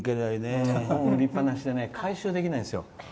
売りっぱなしで回収できないんですよ。